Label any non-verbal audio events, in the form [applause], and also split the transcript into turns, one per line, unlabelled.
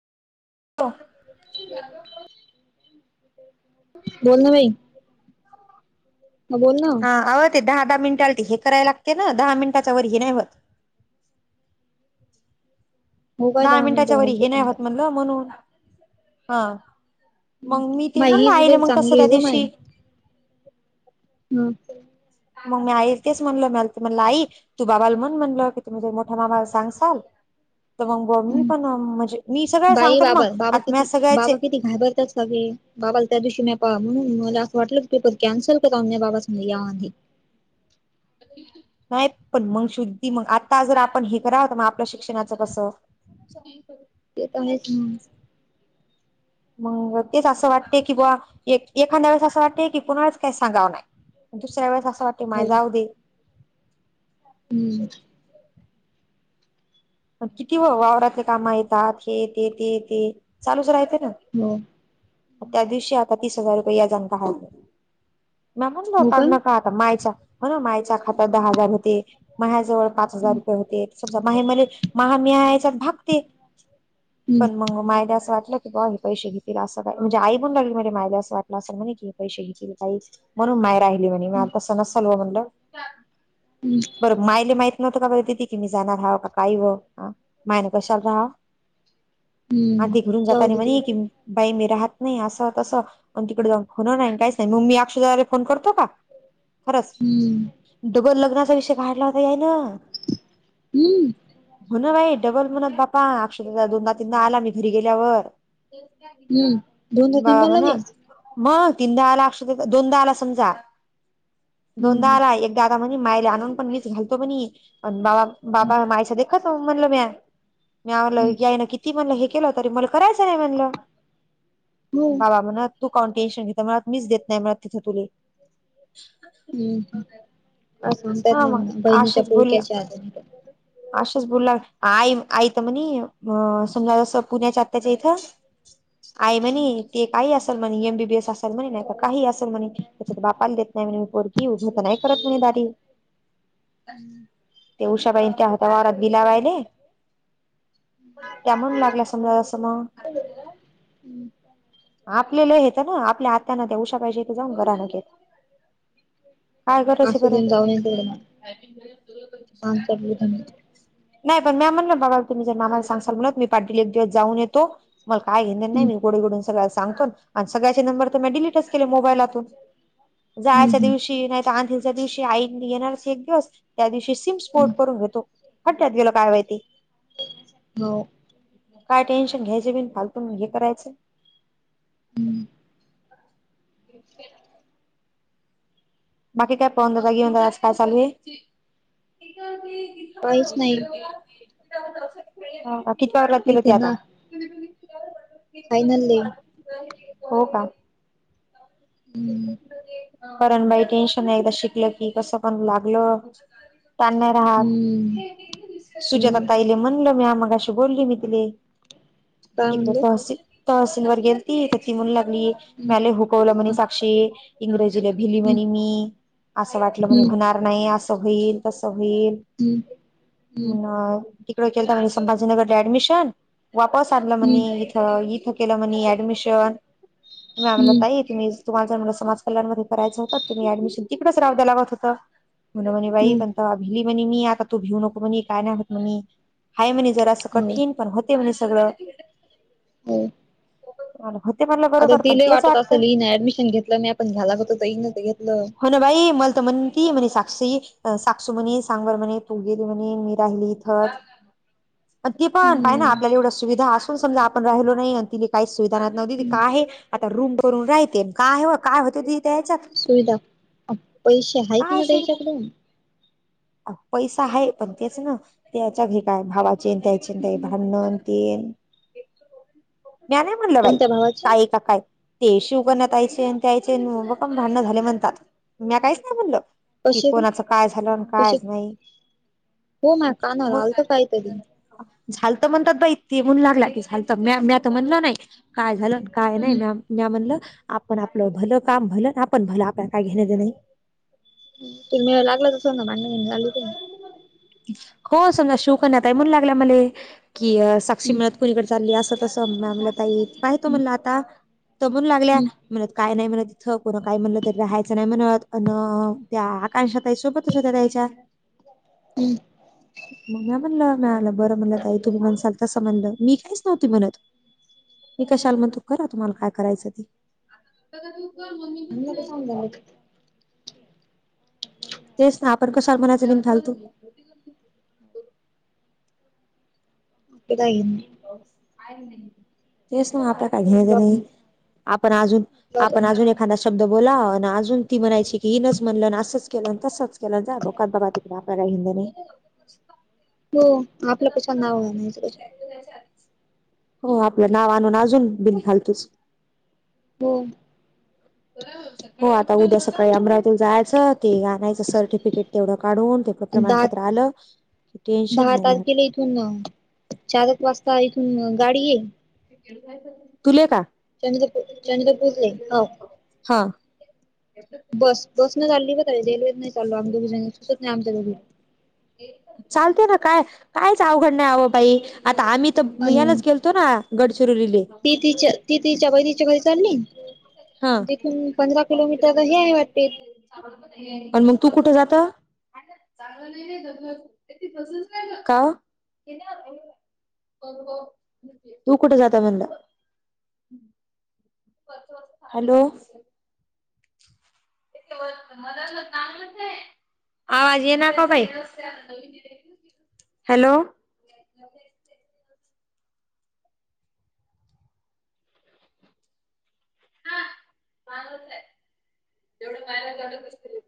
हो,
बोल ना बाई बोल ना,
हा अव ते दहा दहा मिनट हे करायला लागते ना दहा मिनटाच्या वर ह नाही होत.
हो काय
दहा मिनिटाच्या
मिनिटं
वरी
घालते
हे नाही
पण
होत
काय
म्हणलं म्हणून हा मग मी ते
माय
म्हण ना
हीच
आहिले
बेल
मग तसं
चांगली
त्या
आहे ग
दिवशी
हम.
मग मी आईला तेच म्हणलो मल ते म्हंटल आई तू बाबाला म्हण म्हटलं की तुम्ही जर मोठया मामाला सांगसाल तर मग ब मी पण म्हणजे मी सगळ
बाई
सांगतो ना
बाबा
मग
बाबा
आता मॅ
किती बाबा
सगळ्याचे
किती घाबरतात सगळे बाबाला त्या दिवशी म पहा म्हणून मला असं वाटलं कीे पर कॅन्सल कररा्या बाबा सम यान
नाही पण मग शुद्धी मग आता जर आपण हे करावत मग आपल्या शिक्षणाचं कसं
ते तर आहेच,
मग तेच असं वाटते की बुवा एखाद्या वेळेस असं वाटते की कूणालाच काही सांगावं नाही. दुसऱ्या वेळेस असं वाटते
हो
माय जाऊ दे.
हम्म.
किती वावडातले काम येतात हे येते ते येते चालूच राहते ना,
हो,
त्या दिवशी आता तीस हजार रुपये व्याजाणे काढले म्हणग
हो
काढू
काय
नका. मायच्या हो ना मायच्या खात्यात दहा हजार होते माया्याजवळ पाच हजार
हम्म
रुपये होते. समजा म महा म यायच्यात भागते पण मग मायला असं वाटलं. किंवा हे पैसे घेततील अस. णे आई माय असं वाट असेल म्हणे की पैसे घ का म्हणून मायर आहे. म आतां सलव म्हटलं
हम्.
बरं मायले माहित नव्हतं का बरं तिथती की मी जाणार हं काही हो मायन कशाला राहा
हम्म.
आधी घरून
जाऊ
जाताना
दे
म्हणे
तिकडे
की बाई मी राहत नाही असं तसं. पण मग तिकडे जाऊन फोन नाही काहीच नाही मम्मी अक्षरारे फोन करतो का खरंच
हम्म
डबल लग्नाचा विषय काढला होता याय ना.
हम्म
हो ना बाई डबल मुनात बापा दोनदा तीनदा आला मी घरी गेल्यावर
हम्म दोनदा
बा
तीनदा
म्हणा.
लगेच
मग तीनदाला अक्ष दोनदाहाला समजा
हम्म हम्म
दोनदाहाला एक दादा म्हण मायला आणून पणीच घालतो पण बा बाबा मायचा देखत. म्हणलं मी मी आलं
हम्म
याई ना किती म्हणलं हे केलं तरी मलं करायचं नाही म्हणलं.
हो
बाबा म्हणा तू काउन टेन्शन घेते म्हत म मिस देत नाही म्ह तिथं तुला हो
हा सांगतात ना म्ह बहिणीच्या पुळक्याच्या आदणी पण
असंच बोलला आई आई त म्हणे समजा जस पुण्याच्या आत्याच्या इथं आय म्हणे ते काही असेल म्हणे एमबीबीएस असाल म्हणे नाही का काही असेल म्हणे त्यांच्या बापाला देत नाही म्हणे पोरगी उझत नाही करत म्हणे दारी
हम्म
ते उषाबाई त्या होता वारात त्या मग लागल्या समजा जसं मग आपल्याला हच ना आपल्या आत्याना ते उशा पाहिजे ते जाऊन घरा नकेत. काय कराच
असू
बरं.
देऊन जाऊ नये तेवढं मला काम चालू हम्म
नाही पण मी म्हणल बाबा तुम्ही जर मामाला सांगाल म्हणत मी पाठील एक दिवस जाऊन येतो मला काय घे नाही. नाही मी गोड गुडून सगळला सांगतो आणि सगळ्याचे नंबर तर मी डलीटच केले मोबाईलातून जायच्या
हम्म
दिवशी नाहीत आंधीच्या दिवशी आई येणार एक दिवस त्या दिवशी सिम स्फोट
हम्म
करून घेतो हट्ट्यात गेल काय माहिती
हो.
काय टेन्शन घ्यायचे बिन फालतून हे करायचं.
हम्.
बाकी काय पवन दादा काय चालू.
काहीच नाही
किती वर लागतील होते आता. त प.
फायनलली.
हो का
हम्म
कारण बाई टेन्शन आहे एकदा शिकलं की कसं पण लागलं. त
हम्म
राहात
हो
सुजात
ना
ताईले म्हणले मी मग बोलली मी तिला
काय म्हणले
लागला म्हणून ती म्हणाली. ली
हम्म
म हुकवला मनी
हम्म
साक्षी इंग्रेजीले भिली
हम्म
मनी मी. असं वाटलं म्हणजे
हम्म
होणार नाही असं होईल तसं होईल.
हम्म हम्म
तिकडे केलता म्हणे ऍडमिशन संभाजीनगरला वापस आलं
हम्म
म्हणे इथं इथं केलं म्हनी ऍडमिशन म आमला
हम्म
त य तुम् तुम्हा समाज कल्याणमध्येध्ये करायचं होतं तम् ऍडमिशन तिकडेच राहू द्यायचं. म्हण म्हणे बाई पण
हो
त भिली म्हणे मी आता तू भिऊ नको म्हणे काय नाही होत म म हय म्हणे. जरा अस कठीण पण होते म्हणजे सगळं.
हो
होते म्हटलं
आता तिला वाटत असेल हईन ऍडमिशन घेतलं नाहीी आपण घ्याला होत इईन तर घेतलं.
हो ना बाई मल तर म्हणती म्हणे साक्षी साक्षू म्हणे सांगवर म्हणे तू गेली म्हणे मी राहिली ईथे. ते पण पाहि ना
हम्म
आपल्याला एवढ सुविधा असु. ण समजा आपण राहिलो नाही आणि तिने काहीच सुविधाना नव्हती त का आहे. आता रूम करून राहते काय हो काय होतं त त्या यांच्यात
सुविधा पैसे आहेत
हा
ना
सुविधा
त्याच्याकडून
पैसा आहे पण तेच ना त्यांच्या घ काय भावा चिंता चिंतय भांडेन ते म्हणलं बाई
कोणत्या भावाचे
काय का काय ते शिवकन्या करण्यात यायचे आणि ते यायचे बकम भाडणे झाले म्हणतात मी काहीच नाही बोललं कि
कसे
कोणाचं काय झालं
कसे
कायच नाही
हो माझ्या
म
कानाला आलत काहीतरी
झाल तर म्हणतात बाई ते म्हण लागला क झालत म मत म्हणलं नाही काय झालं काय नाही
हम्म
म म म्हणलं आपण आपलं भलं काम भलं आपण भलं आपल्या का घ नाही दे नाही
[unintelligible]
हो मला शिवतोय कन्या म्हणाल्या साक्षी
हम्म
मिणत खुलीकडे चालली असं तसंमलं ताई पाह तो म्हणला आता तर म्हणून लागल्या
हम्म
म्हणत काय नाही म्हण तिथं कोण काय म्हणलं तरी राहायचं नाही म्हणत अन त्या कायशातई सोबतच होत्या त्यायच्या
हम्
म्या म्हणलं मिळालं बरं म्हणला ताई तुम्ही म्हणसाल तसं म्हणलं मी काहीच नव्हती म्हणत मी कशालम तू करा तुम्हाला काय करायचं त
नम
तेच ना आपण कशवर मनाचा निम ालतो
कधाई
का तेस आप का घ्याच
आपलं
नाही
आपण
आपण अज आपण अज हा शब्द बोला आणि अजून ती म्हणायची की ही नच म्हणल असंच केलं तसंच केलं जा बकात बबा बा प काही हंदने
हो आपलं कशा नाव नाहीच क
हो आपलं नाव आणून अजून बिन घालतोच
हो
हो आता उद्या सकाळी अमरावती जायचं ते आणायचं सर्टिफिकेट तेवढं काढून ते
आणि दहा
प्रमाणपत्र आलं की टेन्शन
दहा
नाही राहत
तारखेला इथून चालक वाजता इथून गाडी आहे
तुले का
चंद्रपूरे हो
हा
चाल आमसत नाही आमच्याडे
चालते ना काय कायच अवघड नाही हवं बाई आता आम्ही तर
आणि
यालाच गेलो ो ना गडचिरोलीले
ती तिच्या ती तिच्या बाई तिच्या घरी चालली
हा.
देखील पंधरा किलोमीटर हे आहे वाटते
पण मग तू कुठे जात तच [unintelligible] तू कुठे जाता म्हणला हॅलो आवाज ये नाका भाई हॅलो हो एवढ पा क